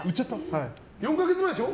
４か月前でしょ？